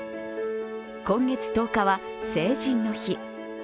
今月１０日は成人の日。